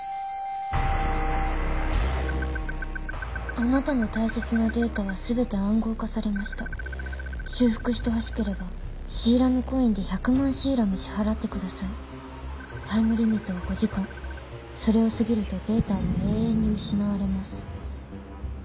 「あなたの大切なデータはすべて暗号化されました」「修復して欲しければシーラムコインで１００万シーラム支払ってください」「タイムリミットは５時間」「それを過ぎるとデータは永遠に失われます」